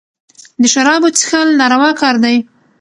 د شرابو څېښل ناروا کار دئ.